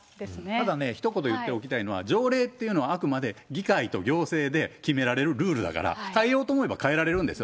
ただね、ひと言言っておきたいのは、条例っていうのは、あくまで議会と行政で決められるルールだから、変えようと思えば変えられるんですよ。